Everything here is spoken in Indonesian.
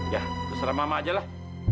ya seserah mama ajalah